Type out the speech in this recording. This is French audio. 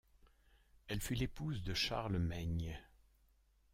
Elle fut l'épouse de Charles Maigne.